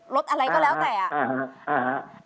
รถอะไรก็แล้วแต่อ่ะ